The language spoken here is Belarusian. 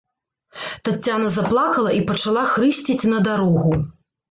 Таццяна заплакала і пачала хрысціць на дарогу.